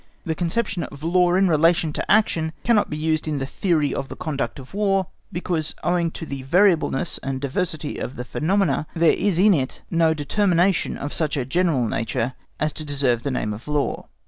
The conception of law in relation to action cannot be used in the theory of the conduct of War, because owing to the variableness and diversity of the phenomena there is in it no determination of such a general nature as to deserve the name of law.